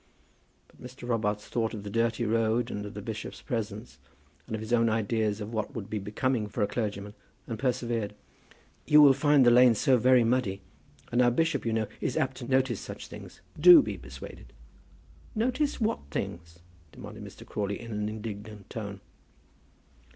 But Mr. Robarts thought of the dirty road, and of the bishop's presence, and of his own ideas of what would be becoming for a clergyman, and persevered. "You will find the lanes so very muddy; and our bishop, you know, is apt to notice such things. Do be persuaded." "Notice what things?" demanded Mr. Crawley, in an indignant tone.